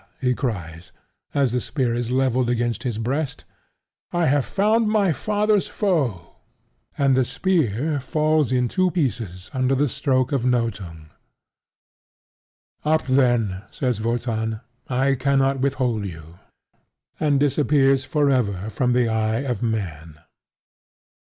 he cries, as the spear is levelled against his breast: "I have found my father's foe"; and the spear falls in two pieces under the stroke of Nothung. "Up then," says Wotan: "I cannot withhold you," and disappears forever from the eye of man.